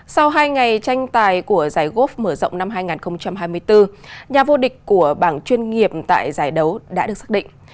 sau hai ngày tranh tài của giải góp mở rộng năm hai nghìn hai mươi bốn nhà vô địch của bảng chuyên nghiệp tại giải đấu đã được xác định